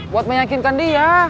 buat menyakitkan dia